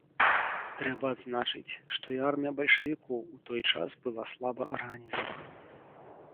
Трэба адзначыць, што і армія бальшавікоў у той час была слаба арганізаванай.